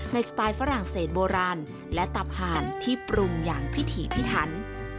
สไตล์ฝรั่งเศสโบราณและตำห่านที่ปรุงอย่างพิถีพิถัน